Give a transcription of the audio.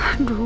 ada yang ada